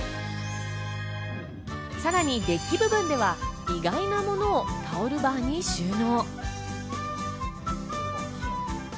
さらにデッキ部分では意外なものをタオルバーに収納。